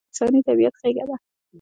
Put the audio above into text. غرمه د انساني طبیعت غېږه ده